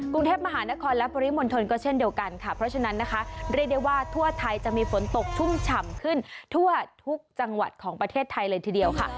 กรุงเทพมหานครและปริมณฑลก็เช่นเดียวกันค่ะเพราะฉะนั้นนะคะเรียกได้ว่าทั่วไทยจะมีฝนตกชุ่มฉ่ำขึ้นทั่วทุกจังหวัดของประเทศไทยเลยทีเดียวค่ะ